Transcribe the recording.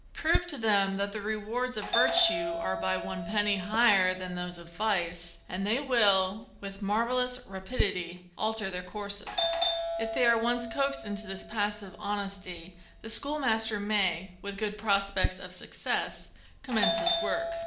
Prove to them that the rewards of virtue are by one penny higher than those of vice, and they will, with marvellous rapidity, alter their courses. If they are once coaxed into this passive honesty, the schoolmaster may, with good prospects of success, commence his work.